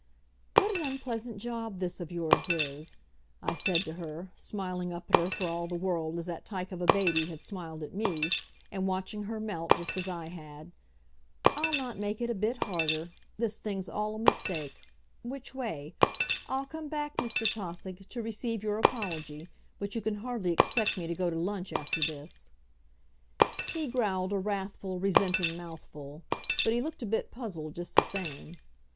"What an unpleasant job this of yours is," I said to her, smiling up at her for all the world as that tike of a baby had smiled at me, and watching her melt just as I had. "I'll not make it a bit harder. This thing's all a mistake. Which way? ... I'll come back, Mr. Tausig, to receive your apology, but you can hardly expect me to go to lunch after this." He growled a wrathful, resenting mouthful. But he looked a bit puzzled just the same.